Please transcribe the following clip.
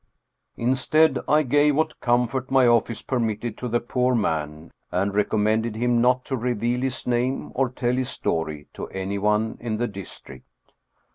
Instead, I gave what comfort my office permitted to the poor man, and recommended him not to reveal his name or tell his story to anyone in the district.